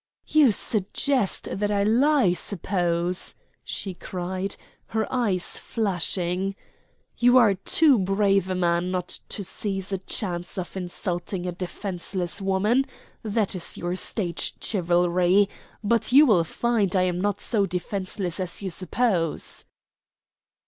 "You suggest that I lie, I suppose," she cried, her eyes flashing. "You are too brave a man not to seize a chance of insulting a defenceless woman. That is your stage chivalry. But you will find I am not so defenceless as you suppose."